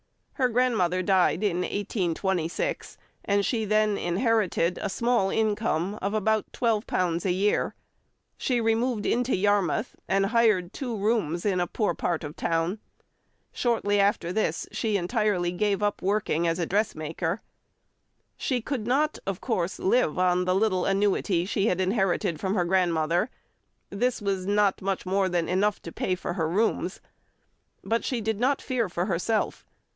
Her grandmother died in 1826, and she then inherited a small income of about £12 a year. She removed into Yarmouth, and hired two rooms in a poor part of the town. Shortly after this she entirely gave up working as a dressmaker. She could not, of course, live on the little annuity she inherited from her grandmother; this was not much more than enough to pay for her rooms. But she did not fear for herself.